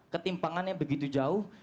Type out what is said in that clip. ketimpangannya begitu jauh